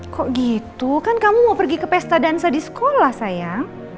kok gitu kan kamu mau pergi ke pesta dansa di sekolah sayang